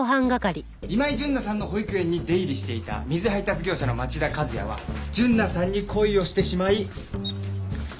今井純奈さんの保育園に出入りしていた水配達業者の町田和也は純奈さんに恋をしてしまいストーカーに。